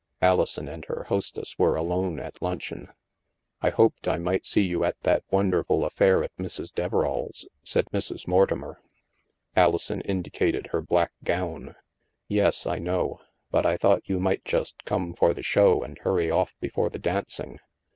Alison and her hostess were alone at luncheon. " I hoped I might see you at that wonderful affair at Mrs. Deverairs," said Mrs. Mortimer. Alison indicated her black gown. "Yes, I know. But I thought you might just come for the show and hurry off before the dancing.